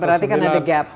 berarti kan ada gap